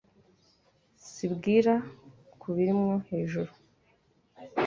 Simbira ku birimwo hejuru